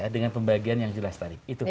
dengan pembagian yang jelas tadi itu